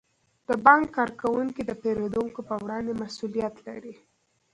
د بانک کارکوونکي د پیرودونکو په وړاندې مسئولیت لري.